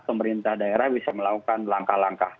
pemerintah daerah bisa melakukan langkah langkah